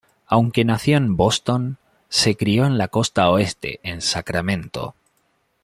Aunque nació en Boston, se crió en la costa oeste, en Sacramento.